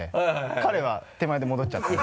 彼は手前で戻っちゃった。